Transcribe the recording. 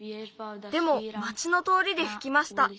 でも町のとおりでふきました。